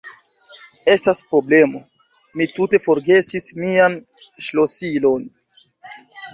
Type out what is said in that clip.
Estas problemo: mi tute forgesis mian ŝlosilon.